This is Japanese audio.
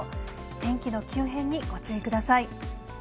天気の急変にご注意ください。